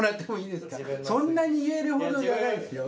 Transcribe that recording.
そんなに言えるほどじゃないですよ。